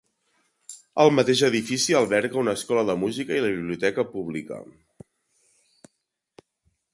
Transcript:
El mateix edifici alberga una escola de música i la biblioteca pública.